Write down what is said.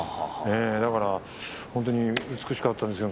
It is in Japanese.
だから本当に美しかったですよ。